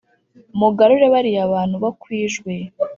mugarure bariya bantu bo kwijwi